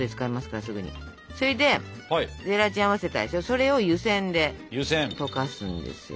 それを湯せんで溶かすんですよ。